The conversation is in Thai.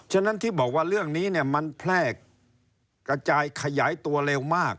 ฉะนั้นที่บอกว่าเรื่องนี้เนี่ยมันแพร่กระจายขยายตัวเร็วมาก